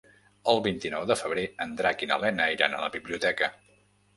El vint-i-nou de febrer en Drac i na Lena iran a la biblioteca.